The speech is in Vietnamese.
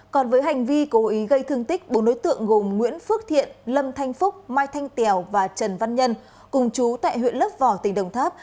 còn với hành vi cố ý gây thương tích bốn đối tượng gồm nguyễn phước thiện lâm thanh phúc mai thanh tèo và trần văn nhân cùng chú tại huyện lớp vò tỉnh đồng tháp